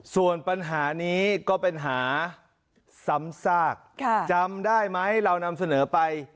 ส่วนปัญหานี้ก็เป็นหาซ้ำซากจำได้ไหมเรานำเสนอไป